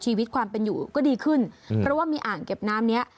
ชีวิตความเป็นอยู่ก็ดีขึ้นเพราะว่ามีอ่างเก็บน้ำเนี้ย